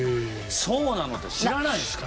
「そうなの？」って知らないですか？